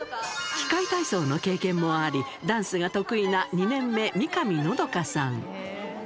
器械体操の経験もあり、ダンスが得意な２年目、三上のどかさん。